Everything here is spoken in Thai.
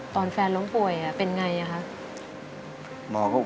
ตอนแฟนล้มป่วยเป็นไงคะ